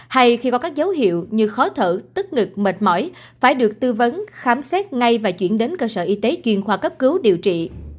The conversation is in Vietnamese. hay khi có các dấu hiệu như khó thở tức ngực mệt mỏi phải được tư vấn khám xét ngay và chuyển đến cơ sở y tế chuyên khoa cấp cứu điều trị